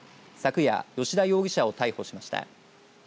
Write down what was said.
昨夜吉田容疑者を逮捕しました。